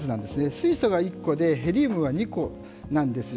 水素が１個で、ヘリウムが２個なんですよ。